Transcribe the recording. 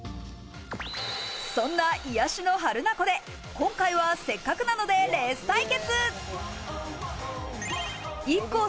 そんな癒やしの榛名湖で、今回はせっかくなのでレース対決。